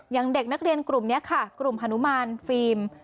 อย่างเด็กนักเรียนกลุ่มนี้ค่ะกลุ่มฮานุมานฟิล์ม